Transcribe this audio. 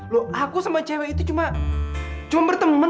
loh aku sama cewek itu cuma berteman